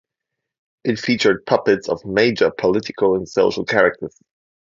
It featured puppets of major political and social characters.